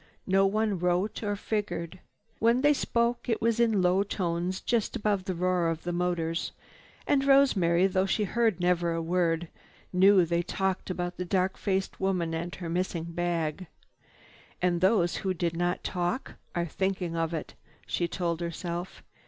No one wrote or figured. When they spoke it was in low tones just above the roar of the motors. And Rosemary, though she heard never a word, knew they talked of the dark faced woman and her missing bag. "And those who do not talk are thinking of it," she told herself.